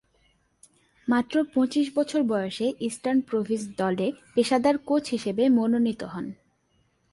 মাত্র পঁচিশ বছর বয়সে ইস্টার্ন প্রভিন্স দলে পেশাদার কোচ হিসেবে মনোনীত হন।